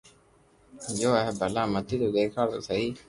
گيو ھي ڀلا مني تو ديکار تو سھي